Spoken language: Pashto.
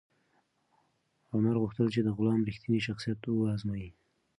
عمر غوښتل چې د غلام رښتینی شخصیت و ازمایي.